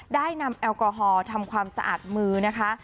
ได้นำแอลกอฮอล์ทำความสะอาดมือนะคะ